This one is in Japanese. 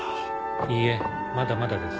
いいえまだまだです。